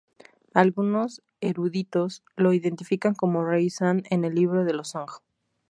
Algunos eruditos lo identifican como "Rey San" en el "Libro de los Song".